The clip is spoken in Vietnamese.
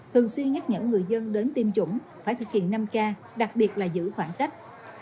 thường xuyên nhắc nhở người dân đến tiêm chủng phải thực hiện năm k đặc biệt là giữ khoảng cách